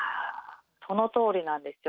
そのとおりなんですよ。